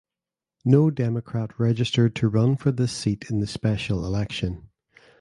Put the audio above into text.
No Democrat registered to run for this seat in the special election.